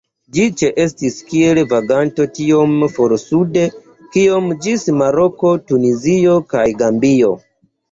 Ĝi ĉeestis kiel vaganto tiom for sude kiom ĝis Maroko, Tunizio kaj Gambio.